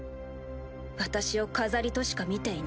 私を飾りとしか見ていない。